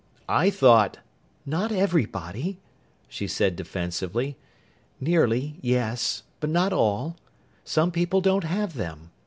"I thought " "Not everybody," she said defensively. "Nearly, yes. But not all. Some people don't have them.